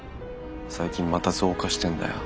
最近また増加してんだよ。